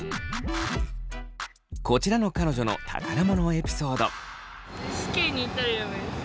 こちらの彼女の宝物のエピソード。